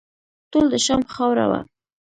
ټول د شام خاوره وه.